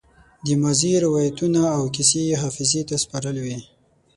د ماضي روايتونه او کيسې يې حافظې ته سپارلې وي.